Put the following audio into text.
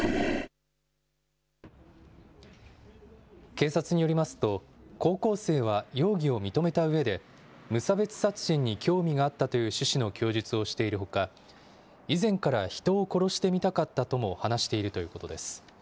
警察によりますと、高校生は容疑を認めたうえで、無差別殺人に興味があったという趣旨の供述をしているほか、以前から人を殺してみたかったとも話しているということです。